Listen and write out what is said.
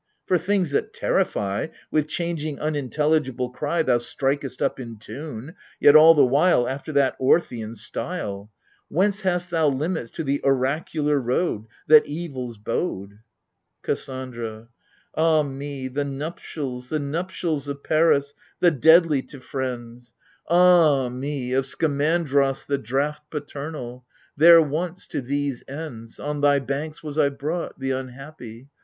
For, things that terrify, With changing unintelligible cry Thou strikest up in tune, yet all the while After that Orthian style ! Whence hast thou limits to the oracular road, That evils bode ? KASSANDRA. Ah me, the nuptials, the nuptials of Paris, the deadly to friends ! AGAMEMNON. 97 Ah me, of Skamandros the draught Paternal ! There once, to these ends, On thy banks was I brought. The unhappy